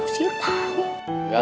ya sih musim tau